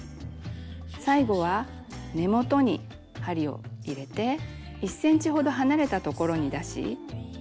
最後は根元に針を入れて１ｃｍほど離れたところに出し